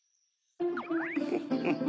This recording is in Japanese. フフフ。